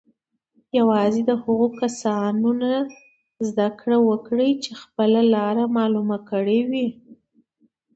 یوازې د هغو کسانو نه زده کړه وکړئ چې خپله لاره معلومه کړې وي.